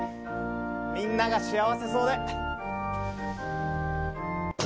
みんなが幸せそうで。